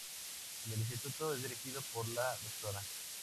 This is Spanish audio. El Instituto es dirigido por la Dra.